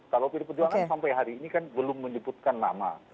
kalau pd perjuangan sampai hari ini kan belum menyebutkan nama